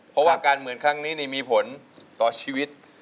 เพราะว่าการเหมือนครั้งนี้มีผลต่อชีวิต